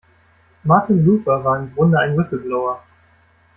Martin Luther war im Grunde ein Whistleblower.